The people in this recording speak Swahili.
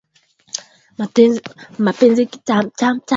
Anafahamika pia kwa kuyaunganisha makabila ya eneo hilo